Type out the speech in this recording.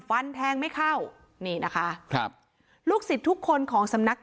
ฟันแทงไม่เข้านี่นะคะครับลูกศิษย์ทุกคนของสำนัก